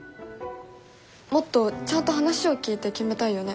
もっとちゃんと話を聞いて決めたいよね。